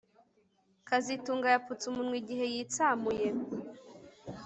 kazitunga yapfutse umunwa igihe yitsamuye